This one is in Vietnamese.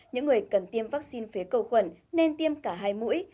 những người cần tiêm vaccine phế cầu khuẩn nên tiêm cả hai mũi